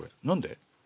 何で？